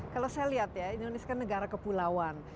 kalau saya lihat ya indonesia kan negara kepulauan